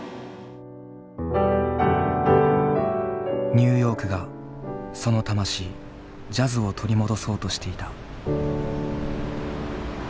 ニューヨークがその魂ジャズを取り戻そうとしていた。